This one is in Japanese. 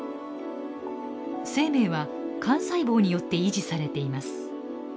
生命は幹細胞によって維持されています。